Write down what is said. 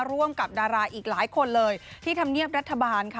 ร่วมกับดาราอีกหลายคนเลยที่ธรรมเนียบรัฐบาลค่ะ